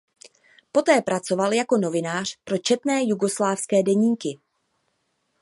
Poté pracoval jako novinář pro četné jugoslávské deníky.